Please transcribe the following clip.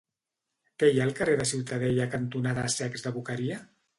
Què hi ha al carrer Ciutadella cantonada Cecs de la Boqueria?